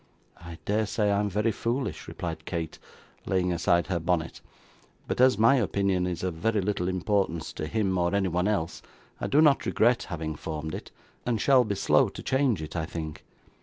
'I dare say I am very foolish,' replied Kate, laying aside her bonnet; 'but as my opinion is of very little importance to him or anyone else, I do not regret having formed it, and shall be slow to change it, I think.